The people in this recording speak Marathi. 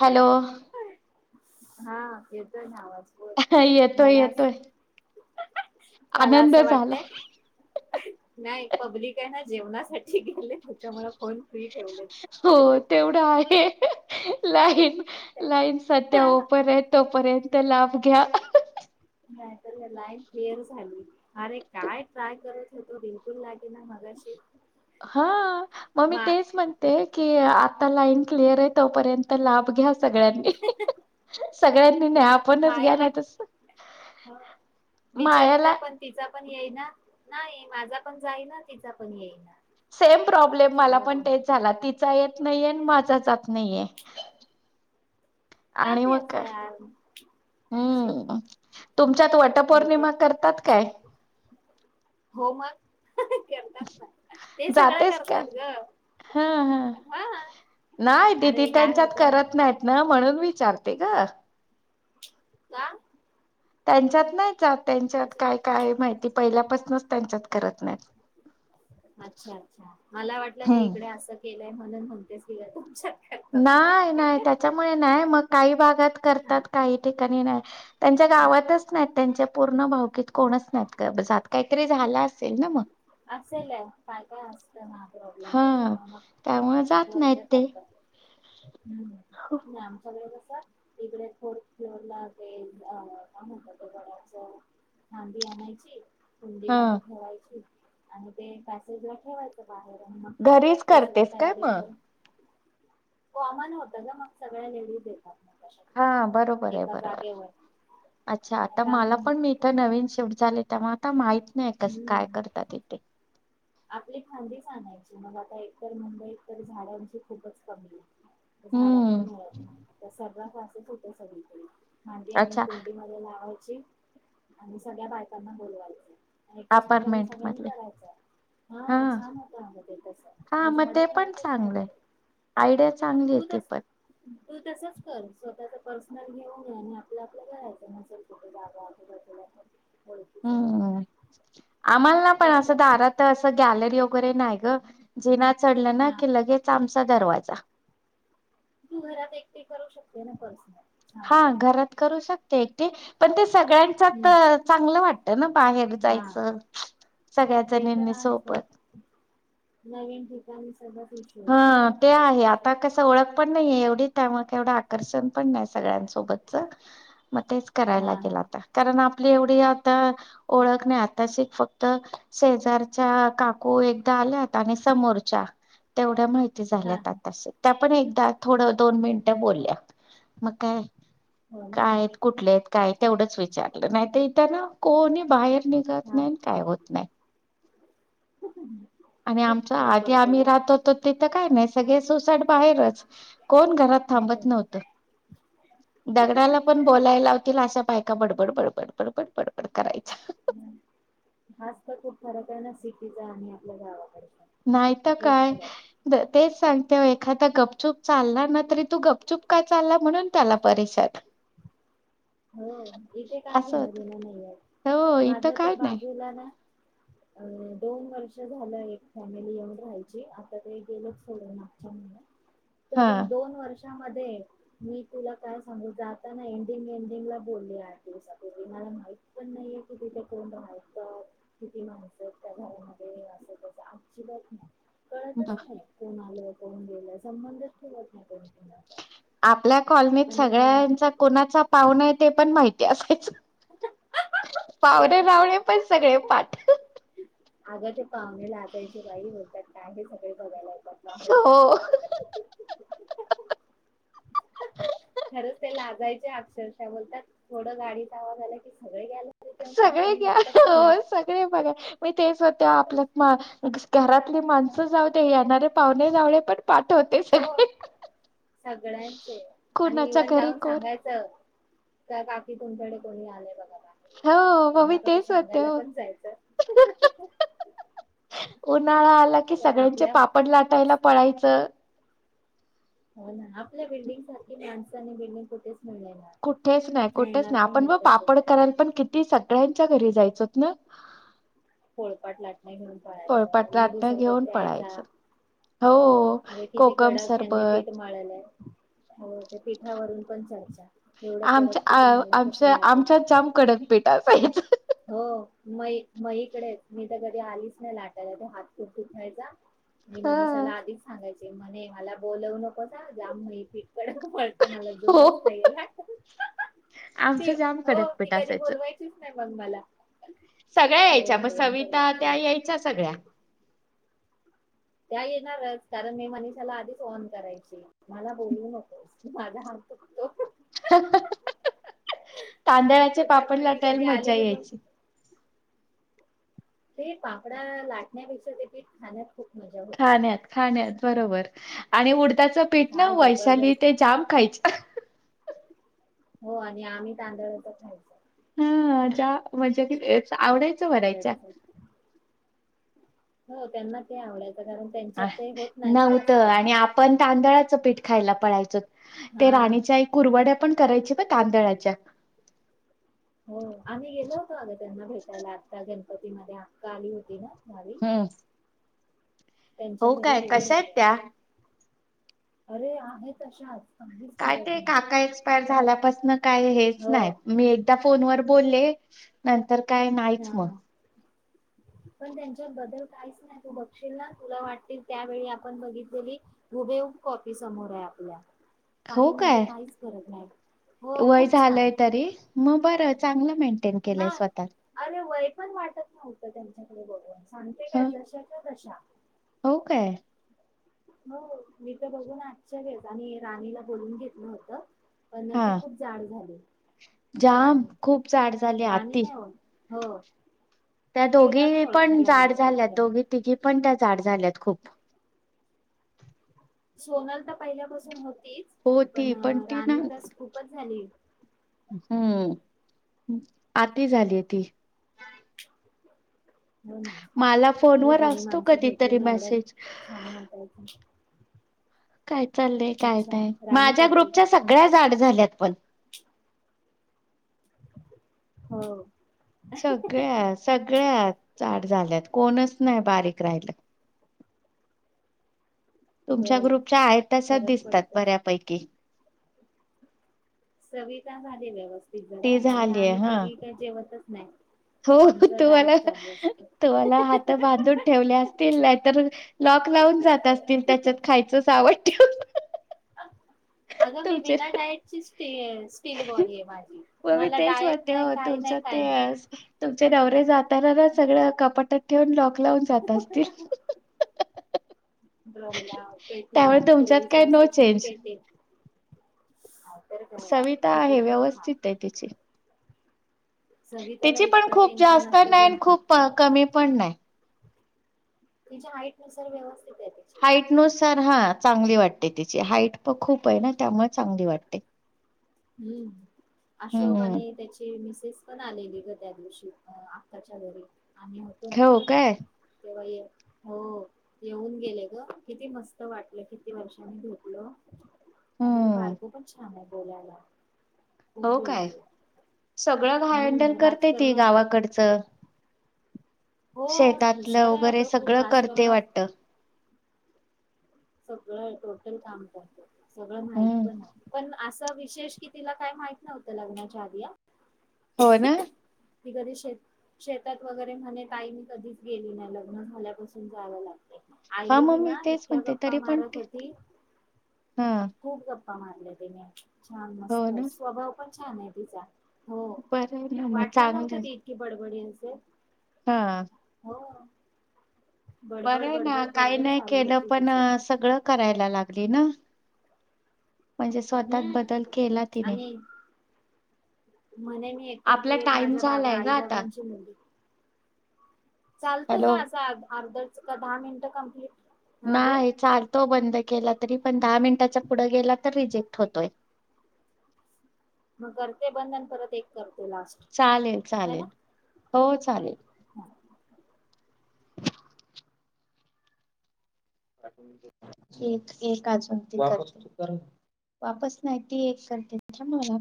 हॅलो हा येतो आवाज बोल हा येतोय येतोय मला मला आनंद असं झाला वाटतं नाही पब्लिक आहे ना जेवणासाठी गेले त्याच्यामुळे फोन फ्री ठेव हो तेवढं आहे लाईट लाईन सध्या पर आहे तोपर्यंत लाभ घ्या. नाहीत हे लाईन क्लिअर झाली अरे काय ट्राय करत. तो बिलकुल लागेना मगाशी हा मग मी मा तेच म्हणते ते कि आता लाईन क्लिअर आहे तोपर्यंत लाभ घ्या. सगळ्यांनी सगळ्यांनी नाही आपणच मायाला घ्यान तसं बिचारीला पण तिचा पण येई ना नाही माझा पण जाईना तिचा पण येई ना. सेम प्रॉब्लेम मला पण तेच झाला तिचा येत नाहीे माझा जात नाहीये. आणि ते मग का असं यार शिट, हम्म तुमच्यात होते वटपौर्णिमा करतात काय? हो मग करतात ते सगळं जातेस काय करतात ग हा नाही अरे काय एककेत्यांच्यात होतं करत नाहीत ना म्हणून विचारते ग का? त्यांच्यात नाहीच त्यांच्यात ह्याच्यात? काय काय माहिती पहिल्यापासूनच त्यांच्यात करत नाही. अच्छा अच्छा मला वाटलं हे हम्म इकडे असं केलंय म्हणून म्हणतेच तुमच्या नाही नाही त्याच्यामुळे नाही मग काही भागात हा करतात काही ठिकाणी नाही त्यांच्या गावातच नाहीत त्यांच्या पूर्ण भावकीत कोणच नाहीत. काहीतरी झाला असेल ना मग असेलय काय काय असतं ना प्रॉब्लेम हा त्याच्या त्यामुळे जात गरज नाहीत ते करतात. हम्म आमच्याकडं कसं तिकडे फोर्थ फ्लोअर ला अ काय म्हणतं ते घडचं फादी आणायची कुंडी मध्ये हा. ठेवायची आणि ते पॅसेजला ठेवायचे. बाहेर घरीच ते सगळी करतेस काय तयारी मग करून कोमान होत का मग सगळ्या लेडीज देतात. हा बरोबर आहे बरोबर आहे अच्छा आता मला पण मी इथं नवीन शिफ्ट झाले तेव आता माहित नाही कसं काय हम्म करतात इथे आपली खांदी स आणायची मग आता एकतर मुंबईतत झाडांची खूपच कमी आहे. झाड पण हम्म मिळत नाही त्या सर्व फच होत सगळी. मांदी आणून अच्छा कंडी मध्ये लावायची आणि सगळ्या बायकांना बोलवायची एकाच ठिकाणी अपार्टमेंट सगळ्यांनी मधले करायचंय. हा छान होतं आ म ते तस हा मग झाड ते पिळ पण कसतात तथ चांगलंय [unintelligible] आयडिया चांगली येते पण तु तसच कर स्वतःच पर्सनल घेऊन ये आणि आपलं आपलं घरायचं कठे जा [unintelligible] हम्म आम्हाला ना पण अस दारात असं गॅलरी वगैरे नाही ग जिना चढलं ना हा की लगेच आमचा दरवाजा तू घरात एकट करू शकते ना पर्सनल हा छान घरात करू शकते एकट पण ते सगळ्यांच्या चांगलं वाटतं. ना बाहेर हा जायचं, सगळ्या ते तर जणींनी आहे पण सोबत नवीन ठिकाणी, हा ते [unintelligible] आहे आता कसं ओळख पण नाहीये एवढी, त्यामुळे एवढं आकर्षण पण नाही, सगळ्यांचं. सोबतच, मग तेच कराय हा लागेल हा आता, कारण आपली एवढी आता ओळख नाही आताशी, फक्त शेजारच्या काकू एकदा आल्या होत्या, आणि समोरच्या एवढ्या माहिती हा झाल्यात हा आत्ताशे. त्या पण एकदा, थोडं दोन मिनिटं बोलल्या, मग काय हो ना काय आहेत, कुठले आहेत? काय तेवढंच विचारलं, नाहीत इथ ना, कोणी बाहेर निघत हा नाही, आणि काय होत नाही. आणि खूप आमचा फरक आधी, पडतो ग आम्ही राहत होतो, तिथं काय नाही, सगळे सोसाट बाहेरच. कोण घरात हो थांबत नव्हतं. दगडला पण बोलायला लावतील, अशा बायका बडबड, बडबड, बडबड, बडबड, करायचा. हाच तर खूप फरक आहे ना, सिटीचा, आणि आपल्या गावाकडचा. नाहीतर खूप काय, फरक तेच सांगते एखादा गपचूप चालला ना, तरी तो गपचुप का चालला, म्हणून त्याला परेशान हो, इथे काय असं घेणं होतं देणं नाहीये, हो इथं माझ्या तर काय नाही बाजूला ना अ दोन वर्ष झालं, एक फॅमिली येऊन राहायची, आता ते गेलेत सोडून मागच्या महिन्यात. हा [unintelligible] दोन वर्षामध्ये, मी तुला काय सांगू, जाताना एंडिंग [unintelligible] बोलली आठ दिवसपूर्वी, मला माहित पण नाहीये की तिथे कोण रहायचं? किती माणसं त्या घरामध्ये? अस तसं अजिबात नाही. कळतच ब- नाही, कोण आलं? कोण गेलं? संबंधच ठेवत नाही, कोणी कोणाचा. आपल्या कॉलनीत आणि सगळ्यांचा कोणाचा पाहुण आहे, ते पण माहिती असायचं. लय पावणे भारी लावणे पण सगळे पाठ. अगं ते पाहुणे लाजायचे बाई, बोलतात काय हे सगळे बघायला येतात. बाहेर हो. खरंच ते लाजायचे अक्षरशः, बोलतात थोडं गाडीचा आवाज झालं की सगळं गेलं सगळे घ्या, हो सगळे बघा मी तेच म्हणते, आपल्या घरातली माणसं जाऊदे, येणारे पाहुणे जावळे पण पाठवत हो, सगळ्यांचे. आणि कुणाच्या इव्हन घरी जाऊन कोण सांगायच त, काकी तुमच्याकडे कोणी आलय बघा. हो मग त्यांना मी परत तेच होते सांगायला हो. पण जायचं. [unintelligible] उन्हाळा आला की, तर सगळ्यांचे आपल्या पापड लाटायला पळायचं. हो ना, आपल्या बिल्डिंग सारखी माणसं आणि बिल्डिंग, कुठेच मिळले नाही. आता कुठेच नाही, कुठेच मिळणार नाही, पण आपण ब तसे पापड करायला पण किती, सगळ्यांच्या घरी जायचोत ना? पोळपाट लाटणे घेऊन पळायचं, पोळपाट लिंबू लाटणं सरबत घेऊन पिळायचा पळायचं हो अरे किती कोकम कडक, ह्यानी पीठ सरबत माळलय हो, ते पीठावरून पण चर्चा एवढं आमच्या, कडक पीठ आ मळलंय कसं आमच्या लाटून आमच्यात जाम कडक बेटा [unintelligible] हो, म मईकडे मी तर कधी आलीच नाही लाटायला, ते हात खूप दुखायचा मी मनीषाला हा. आधिक सांगायचे, म्हणे मला बोलवू नकोस हा, जा [unintelligible] कडक मळते [unintelligible] मला हो जोरच न्हाई [unintelligible] ते आमचं जाम हो, कडक ती पीठ कधी असायचं. बोलवायचीच नाही मग मला. सगळ्या यायच्या, हो मग भयंकर सविता त्या बापरे. यायच्या सगळ्या. त्या येणारच, कारण मी मनषाला आधीच ऑन करायची, मला बोलू नको म तांदळाचे पापड त्याच्यामुळे मी लाटायला कधी मज्जा आलेली पण यायची ते पापडा लाटण्यापेक्षा तेेत खाण्यात खूप मजा होती. खाण्यात खाण्यात बरोबर आणि उडताचं पीठ ना काय वैशाली जबरदस्त ते जाम खायच हो आणि आम्ही तांदळ तर खायच हा ज्या म्हणजे क व हो त्यांना ते आवडायचं कारण त्यांच्यात ते होत नाही ना नव्हत जास्त आणि आपण तांदळाचं पीठ खायला पडयचं ते हा राणीच्या कुरवड्या पण करायचे ब तांदळाच्या हो आम्ही गेलो होतो अगं त्यांना भेटायला आता गणपतीमध्ये आक्क आली होती ना मावी ह त्यांच्या घरी गेल्या कशा होत आहेत त्या? अरे आहे तशाच काहीच काय फरक ते नाही काका एक्सपायर काय झाल्यापासन काय हेच हो नाही मी त्या फोनवरर बोलले नंतर काय नाहीच हा मग हा [inaudible] पण त्यांच्यात बदल काहीच नाही तू बघशील ना तुला वाटतील त्यावेळी आपण बघितलेली हुबेहूब कॉपी समोर आहे आपल्या हो काही म्हणजे काय काहीच करत नाही हो वय खूप छान झालंय तरी मग बर चांगलं मेंटेन केलंय ना स्वतः अरे वय पण वाटत नव्हतं त्यांच्याकडे बघवून सांगते ह काय जशा का तशा हो काय हो मी तर बघून आज्च्या घेत आणि राणीला बोलून घेतलं होतं पण हा ती खूप जाड झाली जाम राणी खूप जाड झाली राणी आती नाही हो हो त्या तिला दोघी नाही पण ओळखायला जाड येणार झाल्यात पटकन दोघी तिघी पण त्या जाड झाल्यात खूप सोनल तर पहिल्यापासून होतीच हो पण ती ती ना राणी तरंच खूपच झाली हम्म आती झालीय ती [inaudible] हो नाही मला अरे फोनवर जुनी असतो माणसं घेतली कधीतरी ना एवढं मेसेज छान वाटायचं काय चाललंय काय अच्छा नाही राणी माझ्या करते का ग्रुपच्या सगळ्या जाड झाल्यात पण हो सगळ्या सगळ्यांत जाड झाल्यात कोणच नाही बारीक राहिलं तुमच्या बरं ग्रुपच्या आहेत तसंच फरक दिसतात पडतोच बऱ्यापैकी सविता झाली व्यवस्थित जरा ती मग झालीय आम्ही हा तिघी का जेवतच नाही हो आमचं डायट तुम्हांला चालू असत. तुम्हांला हात बांधून ठेवले असतील नाहीतर लॉक लावून जात असतील त्याच्यात खायचं सामान ठेव अगं मी बिना डायटची स्टे आहे स्टील बॉडी आहे माझी मला डायट नाही काही नाही काय नाही बस गं तुमचे नवरे जाताना ना सगळं कपाटात ठेवून लॉक लावून जात असतील ड्रमला पेटीला त्यामुळे तुमच्यात पूर्वीच काय नो असाची मग चेंज पेटे हा तर बया सविता किती आहे पण खा व्यवस्थित आहे तिची सविताला तिची पण इतकं खूप टेन्शन जास्त नाही असतून आणि खूप कमी पण नाही. तिच्या हाईट नुसार व्यवस्थित आहेे ते हाईट नुसार हा चांगली वाटते तिची हाईट पण खूप आहे ना त्यामुळे चांगली वाटते. हम्म अशोक हम्म आणि त्याच्या ते मिसेस पण आलेली गं त्या दिवशी आत्याच्या घरी आणि. ठेव काय. वय. हो येऊन गेले गं किती मस्त वाटलं किती वर्षांनी भेटलो. आणि हम्म बायको पण छान आहे बोलायला, खूप हो काय बोलते. सगळं गं हैंडल हम्म करते ती राजकारणात गावाकडचं. हो शेतातलं हुशार आहे वगैरे अगं खूप सगळं करते राजकारणात. वाटत सगळं टोटल काम करत्यात सगळं माहित हम्म पण आहे, पण असा विशेष कि तिला काय माहित नव्हतं लग्नाच्या आधी आ. होय ना. ती कधी शेत शेतात वगैरे म्हणे ताई मी कधीच गेली नाही लग्न झाल्यापासून जावं लागतंय. हा आईने मग मी ना तेच इतक्या म्हणते गप्पा तरी पण मारत ते, होती हा. खूप गप्पा मारल्या तिने छान हो मस्त ना स्वभाव पण छान आहे तिचा. हो बरं आहे ना मग वाटलं चांगलं नव्हतं आहे ती इतकी बडबडी असेल. हा. हो. बरं बडबड आहे ना बडबड काही बडबड नाही चालू केलं होती पण तिची सगळं करायला लागली ना म्हणजे स्वतःात हम्म बदल केला तिने. आणि म्हणे मी एकटीती आपला एक टाइम माझ्या बाबा झालाय ग आई आता बाबांची मुली. चालतो का हॅलो असा अर्धा का दहा मिनिटं कम्प्लीट. हा बोल नाही चालतो बंद केला तरी पण दहा मिनिटाच्या पुढं गेला तर रिजेक्ट होतोय. मग करते बंद आणि परत एक करते लास्ट. चालेल है ना चालेल, हो चालेल. हा एक एक अजून तिथं. वापस नाहीती एक करते थांब मला.